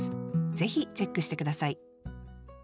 ぜひチェックして下さい。